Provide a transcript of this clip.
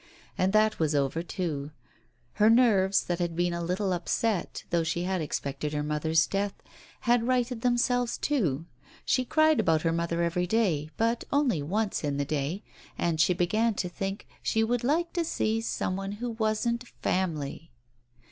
And that was ' over, too. Her nerves, that had been a little upset, though she had expected her mother's death, had righted themselves, too. She cried about her mother every day, but only once in the day, and she began to think she should like to see some one who wasn't "family."